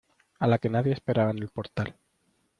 a la que nadie esperaba en el portal.